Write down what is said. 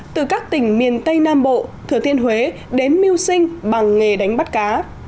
từ các tỉnh miền tây nam bộ thừa thiên huế đến mưu sinh bằng nghề đánh bắt cá